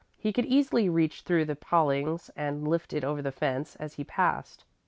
He could easily reach through the palings and lift it over the fence as he passed.